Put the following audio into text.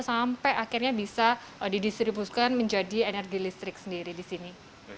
sampai akhirnya bisa didistribusikan menjadi energi listrik sendiri di sini